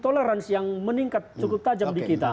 toleransi yang meningkat cukup tajam di kita